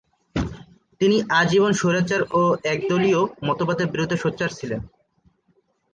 তিনি আজীবন স্বৈরাচার ও একদলীয় মতবাদের বিরুদ্ধে সোচ্চার ছিলেন।